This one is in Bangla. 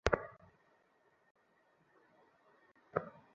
তিনি মেধাবী ছিলেন।